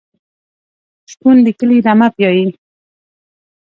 شپون د کلي رمه پیایي.